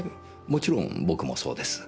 もちろん僕もそうです。